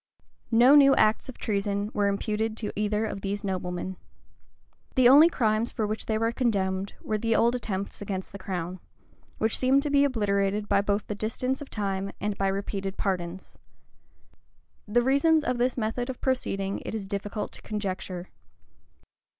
No new acts of treason were imputed to either of these noblemen. The only crimes for which they were condemned, were the old attempts against the crown, which seemed to be obliterated both by the distance of time and by repeated pardons.[*] The reasons of this method of proceeding it is difficult to conjecture.